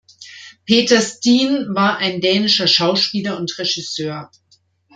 Peter Steen war ein dänischer Schauspieler und Regisseur.